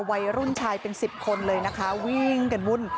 วัยรุ่นชายเป็นสิบคนเลยนะคะวิ่งกันวุ่น